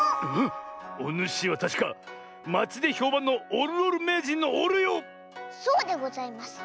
おぬしはたしかまちでひょうばんのおるおるめいじんのおるよ⁉そうでございます。